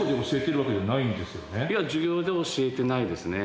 いや授業では教えてないですね。